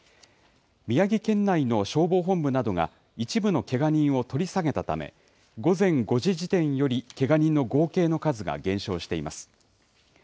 宮城県内の消防本部などが一部のけが人を取り下げたため午前５時時点よりけが人の合計の数が減少しています。